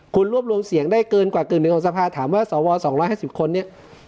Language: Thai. คุณรวบรวมเสียงได้เกินกว่าเกินหนึ่งของสภาถามว่าสวสองร้อยห้าสิบคนเนี่ย